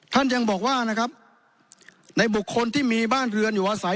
ท่านยังบอกว่านะครับในบุคคลที่มีบ้านเรือนอยู่อาศัย